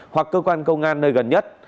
hoặc cơ quan công an nơi gần nhất